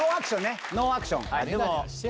ノーアクションね。